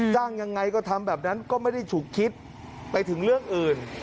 ยังไงก็ทำแบบนั้นก็ไม่ได้ฉุกคิดไปถึงเรื่องอื่น